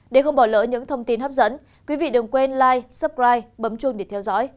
để không bỏ lỡ những thông tin hấp dẫn quý vị đừng quên life suppride bấm chuông để theo dõi